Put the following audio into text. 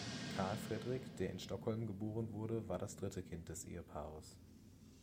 Carl Fredrik, der in Stockholm geboren wurde, war das dritte Kind des Ehepaares.